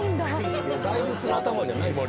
大仏の頭じゃないっすよ。